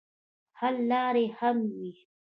حل لارې هم وي.